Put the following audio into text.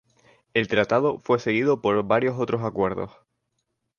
El tratado fue seguido por varios otros acuerdos.